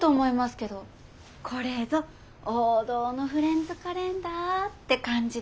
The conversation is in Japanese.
これぞ王道のフレンズカレンダーって感じで。